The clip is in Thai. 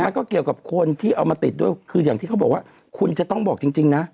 ก็เกี่ยวกับคนที่เอามาติดด้วยคืออย่างที่เขาบอกว่าคุณจะต้องบอกจริงนะ